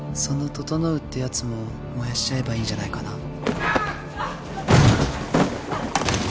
「その整ってやつも燃やしちゃえばいいんじゃないかな」